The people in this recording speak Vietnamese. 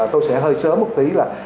tôi sẽ hơi sớm một tí là